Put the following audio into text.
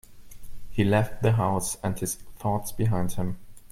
He left the house and his thoughts behind him.